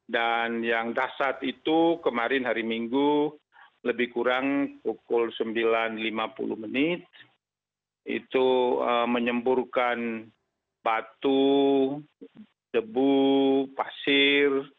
dan yang dasar itu kemarin hari minggu lebih kurang pukul sembilan lima puluh menit itu menyemburkan batu debu pasir